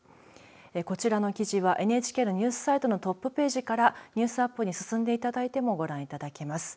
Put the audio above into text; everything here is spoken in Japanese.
こちらの記事はＮＨＫのニュースサイトのトップページからニュースアップに進んでいただいてもご覧いただけます。